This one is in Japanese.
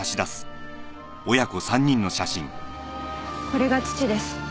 これが父です。